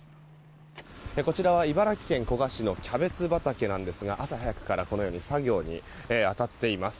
こちらは茨城県古河市のキャベツ畑なんですが朝早くから作業に当たっています。